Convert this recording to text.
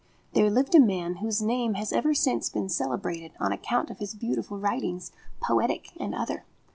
there lived a man whose name has ever since been celebrated on account of his beautiful writings, poetic and other.